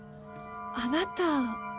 あなた。